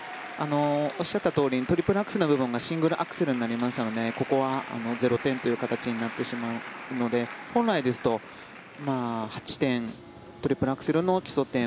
おっしゃったとおりトリプルアクセルのところがシングルアクセルになりましたのでここは０点となってしまうので本来ですと８点トリプルアクセルの基礎点